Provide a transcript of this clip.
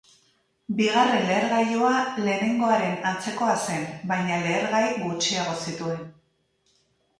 Bigarren lehergailua lehenengoaren antzekoa zen baina lehergai gutxiago zituen.